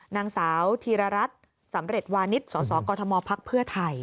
นางสาวธีรรัตน์สำเร็จวานิสสสกมพไทย